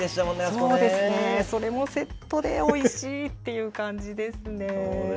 そうですね、それもセットでおいしいっていう感じですね。